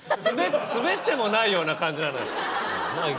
スベってもないような感じなのよ。